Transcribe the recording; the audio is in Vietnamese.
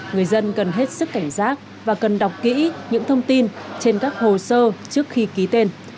người dân cần hết sức cảnh giác và cần đọc kỹ những thông tin trên các hồ sơ trước khi ký tên